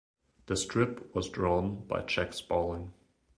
The strip was drawn by Jack Sparling.